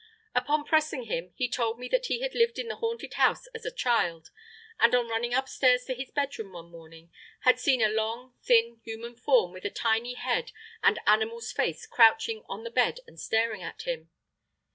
Upon pressing him, he told me that he had lived in the haunted house as a child, and on running upstairs to his bedroom one morning had seen a long, thin human form with a tiny head and animal's face crouching on the bed and staring at him.